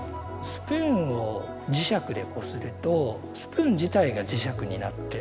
スプーンを磁石でこするとスプーン自体が磁石になって。